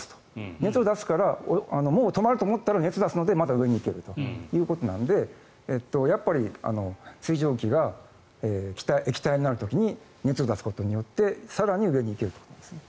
熱を出すからもう止まると思ったら熱を出すのでまだ上に行けるということなので水蒸気が液体になる時に熱を出すことによって更に上に行けるということですね。